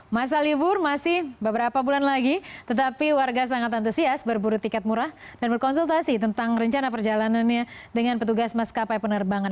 masa libur masih beberapa bulan lagi tetapi warga sangat antusias berburu tiket murah dan berkonsultasi tentang rencana perjalanannya dengan petugas maskapai penerbangan